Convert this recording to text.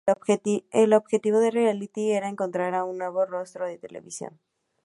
El objetivo del reality era encontrar a un nuevo rostro de televisión.